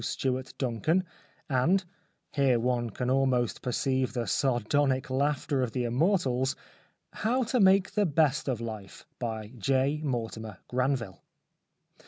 Stewart Duncan ; and (here one can almost perceive the sardonic laughter of the immortals) " How to Make the Best of Life/' by J. Mortimer Gran vile.